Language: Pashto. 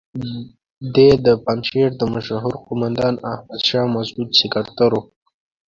دی د پنجشیر د مشهور قوماندان احمد شاه مسعود سکرتر وو.